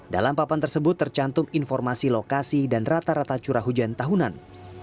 dalam papan tersebut tercantum informasi lokasi dan rata rata curah hujan tahunan